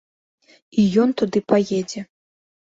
І ён туды паедзе.